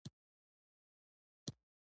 که څه هم زه نغواړم